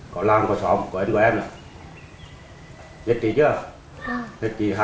có làm có sống có anh có em ạ